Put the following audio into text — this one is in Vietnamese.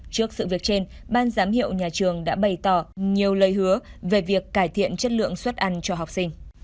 trước sự việc trên ban giám hiệu nhà trường đã bày tỏ nhiều lời hứa về việc cải thiện chất lượng suất ăn cho học sinh